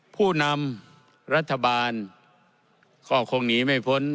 ผู้นำรัฐบาลก็คงหนีไม่พ้น